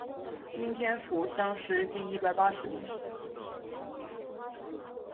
应天府乡试第一百十八名。